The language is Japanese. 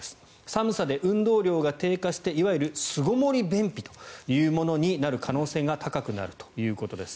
寒さで運動量が低下していわゆる巣ごもり便秘というものになる可能性が高くなるということです。